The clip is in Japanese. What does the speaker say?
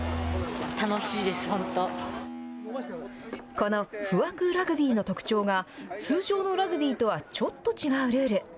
この不惑ラグビーの特徴が、通常のラグビーとはちょっと違うルール。